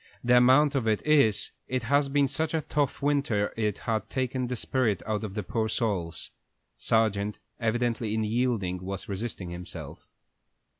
The amount of it is, it has been such a tough winter it has taken the spirit out of the poor souls." Sargent, evidently, in yielding was resisting himself.